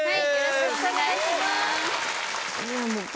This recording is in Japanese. よろしくお願いします。